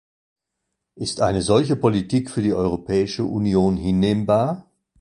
Ist eine solche Politik für die Europäische Union hinnehmbar?